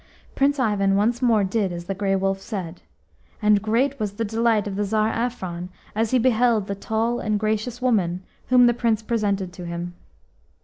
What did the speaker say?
Prince Ivan once more did as the Grey Wolf said, and great was the delight of the Tsar Afron as he beheld the tall and gracious woman whom the Prince presented to him.